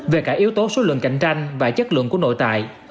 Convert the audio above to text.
về cả yếu tố số lượng cạnh tranh và chất lượng của nội tại